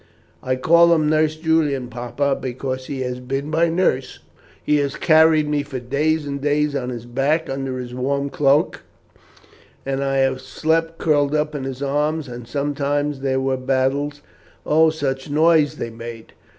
I call him Nurse Julian, papa, because he has been my nurse. He has carried me for days and days on his back under his warm cloak, and I have slept curled up in his arms; and sometimes there were battles. Oh, such a noise they made!